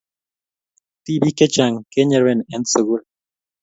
Tibik chechang kenyeren en sukul